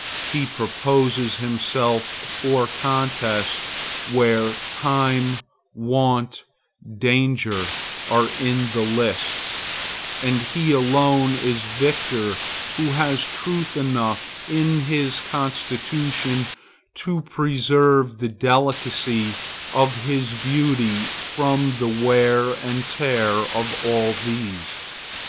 He proposes himself for contests where Time, Want, Danger, are in the lists, and he alone is victor who has truth enough in his constitution to preserve the delicacy of his beauty from the wear and tear of all these.